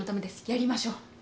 やりましょう。